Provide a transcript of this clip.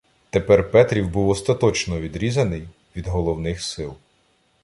Тепер Петрів був остаточно відрізаний від головних сил.